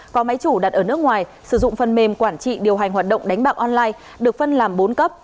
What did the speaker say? có máy chủ đặt ở nước ngoài sử dụng phần mềm quản trị điều hành hoạt động đánh bạc online được phân làm bốn cấp